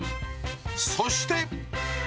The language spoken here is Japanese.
そして。